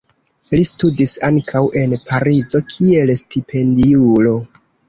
Li studis ankaŭ en Parizo kiel stipendiulo.